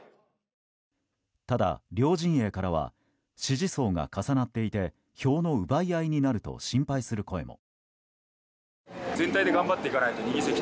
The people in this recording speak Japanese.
ただ、両陣営からは支持層が重なっていて票の奪い合いになると心配する声も。